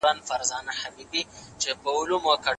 ولي خاوند خپله بېسواده ميرمن نه سي باسواده کولای؟